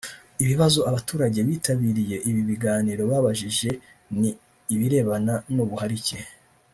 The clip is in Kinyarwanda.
Ibibazo abaturage bitabiriye ibi biganiro babajije ni ibirebana n’ubuharike